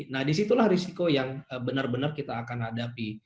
nah disitulah risiko yang benar benar kita akan hadapi